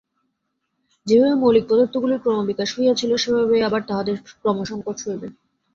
যেভাবে মৌলিক পদার্থগুলির ক্রমবিকাশ হইয়াছিল, সেভাবেই আবার তাহাদের ক্রমসঙ্কোচ হইবে।